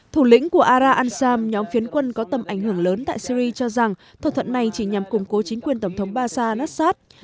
thủ lĩnh của ara ansam nhóm phiến quân có tầm ảnh hưởng lớn tại syri cho rằng thỏa thuận này chỉ nhằm củng cố chính quyền tổng thống basar nassad